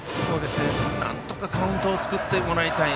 なんとかカウントを作ってもらいたい。